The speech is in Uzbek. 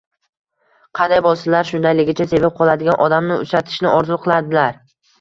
Qanday bo‘lsalar, shundayligicha sevib qoladigan odamni uchratishni orzu qiladilar.